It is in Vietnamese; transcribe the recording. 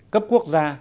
cấp quốc gia